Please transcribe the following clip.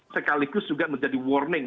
sekaligus juga menjadi warning